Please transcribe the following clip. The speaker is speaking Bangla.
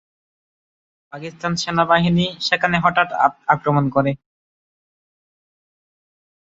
পাকিস্তান সেনাবাহিনী সেখানে হঠাৎ আক্রমণ করে।